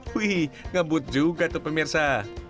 wih ngebut juga tuh pemirsa